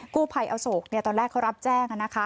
กู้ภัยอโศกตอนแรกเขารับแจ้ง